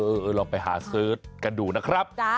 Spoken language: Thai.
ลองไปหาเสิร์ชกันดูนะครับ